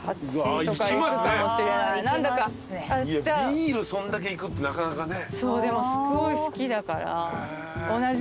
ビールそんだけいくってなかなかね。